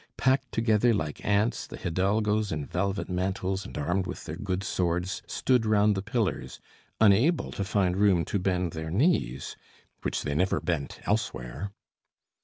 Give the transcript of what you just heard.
Packed together like ants, the hidalgos in velvet mantles and armed with their good swords stood round the pillars, unable to find room to bend their knees, which they never bent elsewhere.